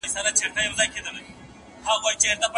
ځیني کارمندان د خپلي دندې په اصلي ماموریت باندې نه پوهېږي.